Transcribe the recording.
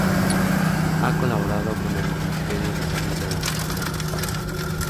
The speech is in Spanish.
Ha colaborado con el Ministerio de Salud de la Nación Argentina.